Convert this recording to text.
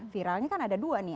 viralnya kan ada dua nih